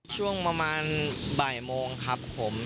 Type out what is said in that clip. ช่วงประมาณบ่ายโมงครับผม